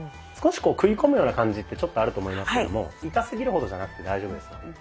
少し食い込むような感じってちょっとあると思いますけども痛すぎるほどじゃなくて大丈夫です。